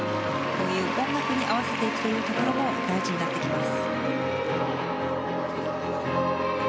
こういう音楽に合わせていくところも大事になってきます。